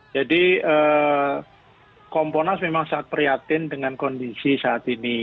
jadi kompolnas memang sangat prihatin dengan kondisi saat ini